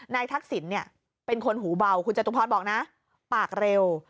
ทักษิณเป็นคนหูเบาคุณจตุพรบอกนะปากเร็ว